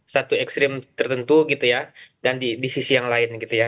satu ekstrim tertentu gitu ya dan di sisi yang lain gitu ya